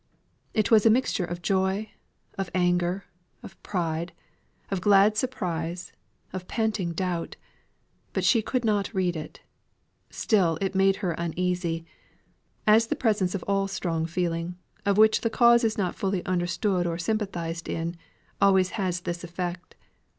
It was a mixture of joy, of anger, of pride, of glad surprise, of panting doubt; but she could not read it. Still it made her uneasy, as the presence of all strong feeling, of which the cause is not fully understood or sympathised in, always has this effect.